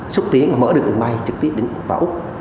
xúc tiến và mở đường bay trực tiếp đến vào úc